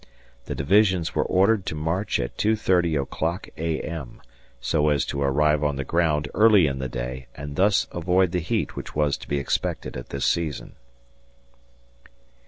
... The divisions were ordered to march at 2.30 o'clock A.M., so as to arrive on the ground early in the day and thus avoid the heat which is to be expected at this season.